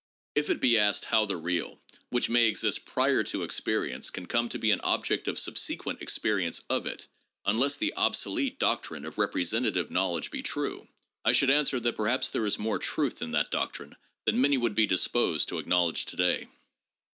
If it be asked how the real, which may exist prior to experi ence, can come to be an object of subsequent experience of it, un less the obsolete doctrine of representative knowledge be true, I should answer that perhaps there is more truth in that doctrine than many would be disposed to acknowledge to day.